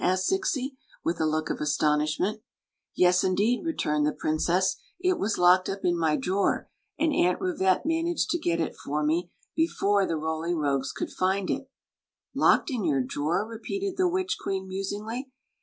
" asked Zixi, with a look of astonishment " Ycs» indeed*" returned the princess; " it was kd^ up in my drawer, ami Aunt Rivetle mani^[^ to get it for me before the Roly Rogues could find it" "Locked in your drawer?" repeated the witch queen, musingly.